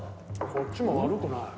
こっちも悪くない。